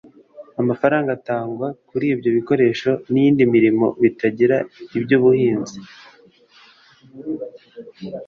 amafaranga atangwa kuri ibyo bikoresho n'iyindi mirimo bitari iby'ubuhinzi